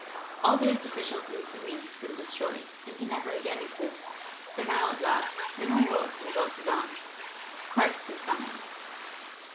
All the artificial Bohemias have been destroyed, and can never again exist; for now at last the new world is about to dawn. Christ is coming.